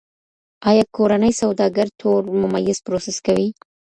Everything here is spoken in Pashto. ایا کورني سوداګر تور ممیز پروسس کوي؟